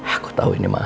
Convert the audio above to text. aku tau ini mahal